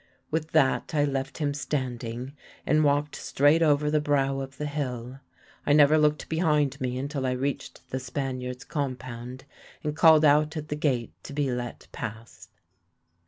With that I left him standing and walked straight over the brow of the hill. I never looked behind me until I reached the Spaniards' compound, and called out at the gate to be let pass.